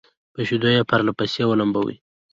په شيدو يې پرله پسې ولمبوي